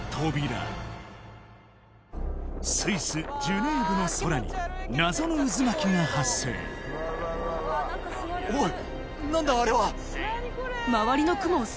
スイスジュネーブの空に謎の渦巻きが発生・おい